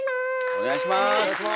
お願いします。